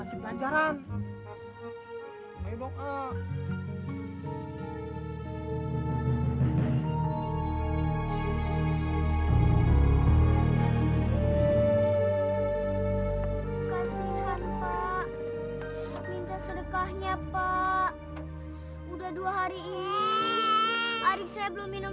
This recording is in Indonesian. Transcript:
saya tetap ber exception